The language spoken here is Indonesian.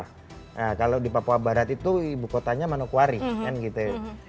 nah kalau di papua barat itu ibu kotanya manokwari kan gitu